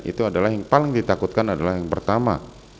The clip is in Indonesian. itu adalah yang paling ditakutkan adalah yang pertama